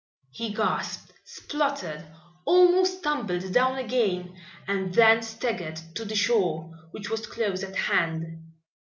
He gasped, spluttered, almost tumbled down again, and then staggered to the shore, which was close at hand.